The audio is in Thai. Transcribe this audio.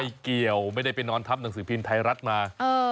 เกี่ยวไม่ได้ไปนอนทับหนังสือพิมพ์ไทยรัฐมา